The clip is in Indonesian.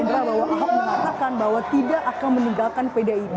indra bahwa ahok mengatakan bahwa tidak akan meninggalkan pdip